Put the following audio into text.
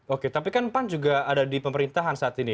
oke tapi kan pan juga ada di pemerintahan saat ini